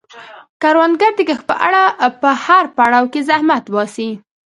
کروندګر د کښت په هر پړاو کې زحمت باسي